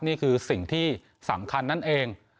นี่คือสิ่งที่สำคัญนั่นเอง